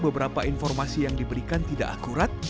beberapa informasi yang diberikan tidak akurat